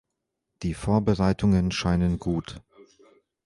Die Vorbereitungen scheinen gut.